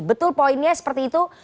betul poinnya seperti itu